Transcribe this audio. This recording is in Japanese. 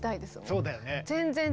そうだね。